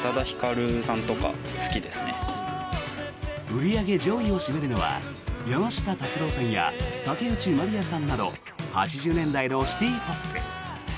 売り上げ上位を占めるのは山下達郎さんや竹内まりやさんなど８０年代のシティーポップ。